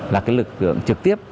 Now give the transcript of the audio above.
là cái lực lượng trực tiếp